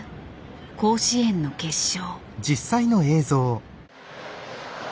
甲子園の決勝。